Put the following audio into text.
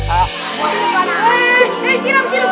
eh siram siram